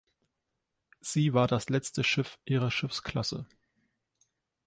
Sie war das letzte Schiff ihrer Schiffsklasse.